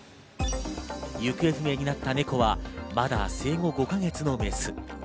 行方不明になったネコはまだ生後５か月のメス。